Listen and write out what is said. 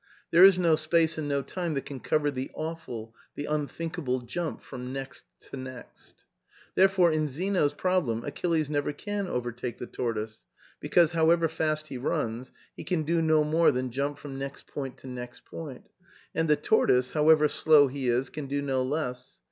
There is no space and no time that can cover the awful, the unthinkable jump from next to next. Therefore, in Zeno's problem, Achilles never can over take the tortoise ; because, however fast he runs, he can do no more than jump from next point to next point; and the tortoise, however slow he is, can do no less.